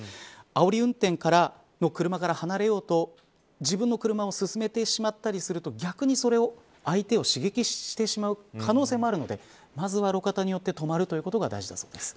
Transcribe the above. あおり運転の車から離れようと自分の車を進めてしまったりすると逆に相手を刺激してしまう可能性もあるのでまずは路肩に寄って止まることが大事だそうです。